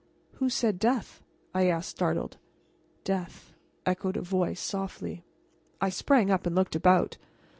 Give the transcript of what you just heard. "Who said 'death'?" I asked, startled. "Death," echoed a voice, softly. I sprang up and looked about.